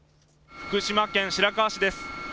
福島県白河市です。